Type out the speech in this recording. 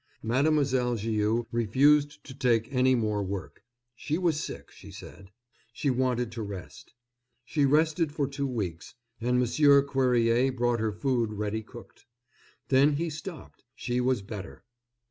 Mademoiselle Viau refused to take any more work. She was sick, she said; she wanted to rest. She rested for two weeks, and Monsieur Cuerrier brought her food ready cooked. Then he stopped; she was better.